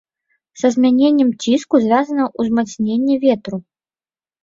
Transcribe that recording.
Са змяненнем ціску звязана ўзмацненне ветру.